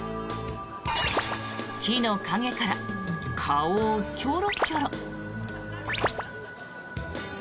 木の陰から顔をキョロキョロ。